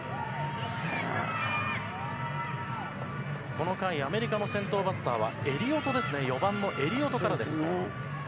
この回アメリカの先頭バッターは４番のエリオトからです。